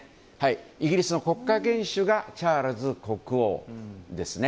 イギリスの国家元首がチャールズ国王ですね。